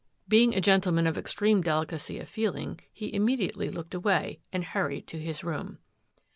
Being a gentleman of extreme delicacy of feeling, he immediately looked away and hurried to his room.